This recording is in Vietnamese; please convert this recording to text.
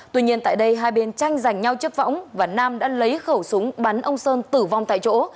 tuy nhiên tại đây hai bên tranh giành nhau trước võng và nam đã lấy khẩu súng bắn ông sơn tử vong tại chỗ